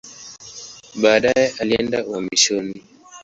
Baadaye alienda uhamishoni.